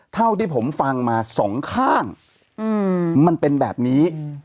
เท่าที่ผมฟังมาสองข้างมันเป็นแบบนี้